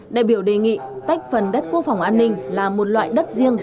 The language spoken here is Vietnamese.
đại biểu đề nghị tách phần đất quốc phòng an ninh là một loại đất riêng